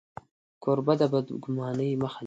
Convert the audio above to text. کوربه د بدګمانۍ مخه نیسي.